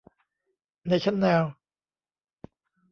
เนชั่นแนล